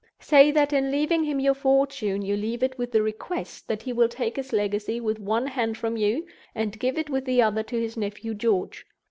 Say that, in leaving him your fortune, you leave it with the request that he will take his legacy with one hand from you, and give it with the other to his nephew George.